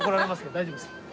大丈夫ですか？